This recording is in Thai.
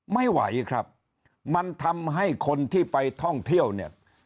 ไม่ไหวครับมันทำให้คนที่ไปท่องเที่ยวเนี่ย